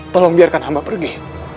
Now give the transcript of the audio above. tolong biarkan hamba pergi